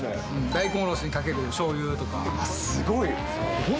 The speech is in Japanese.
大根おろしにかけるしょうゆすごい。